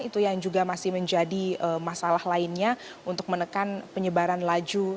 itu yang juga masih menjadi masalah lainnya untuk menekan penyebaran laju